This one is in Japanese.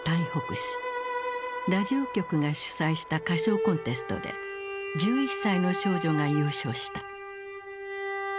ラジオ局が主催した歌唱コンテストで１１歳の少女が優勝した。